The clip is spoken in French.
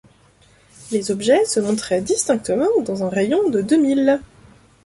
Les objets se montraient distinctement dans un rayon de deux milles.